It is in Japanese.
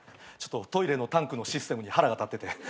トイレのタンクのシステムに腹が立ってて。